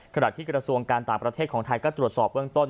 ขณะที่กระทรวงการต่างประเทศของไทยก็ตรวจสอบเบื้องต้น